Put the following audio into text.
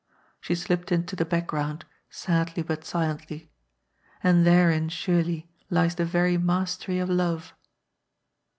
She slipped into the back* ground, sadly but silently. And therein, surely, lies the very mastery of love.